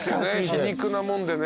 皮肉なもんでね。